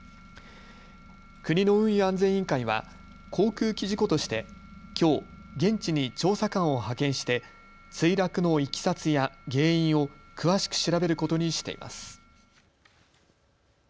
国の運輸安全委員会は航空機事故としてきょう現地に調査官を派遣して墜落のいきさつや原因を詳しく調べることにしています。